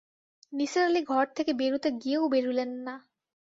নিসার আলি ঘর থেকে বেরুতে গিয়েও বেরুলেন না।